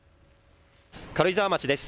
軽井沢町です。